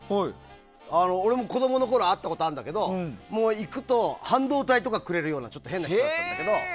俺も子供のころ会ったことあるんだけどもう、行くと半導体とかくれるような変な人だったんだけど。